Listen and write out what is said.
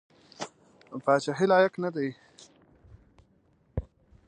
پاچهي لایق نه دی.